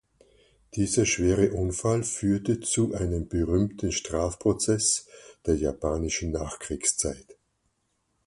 Dieser schwere Unfall führte zu einem berühmten Strafprozess der japanischen Nachkriegszeit.